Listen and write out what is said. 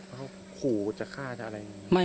เขาขูจะฆ่าอะไร